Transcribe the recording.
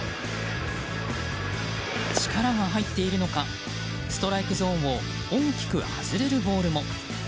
力が入っているのかストライクゾーンを大きく外れるボールも。